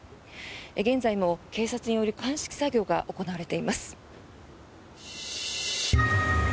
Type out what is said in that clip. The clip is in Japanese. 現在も警察による鑑識作業が行われています。